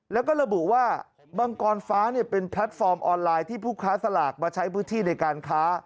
แล้วก็ระบุว่ามังกรฟ้าเป็นแพลตฟอร์มออนไลน์ที่ผู้ค้าสลากมาใช้พื้นที่ในการค้า